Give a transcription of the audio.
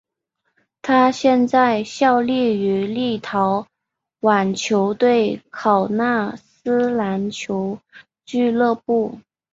他现在效力于立陶宛球队考纳斯篮球俱乐部。